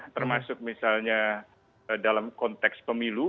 termasuk misalnya dalam konteks pemilu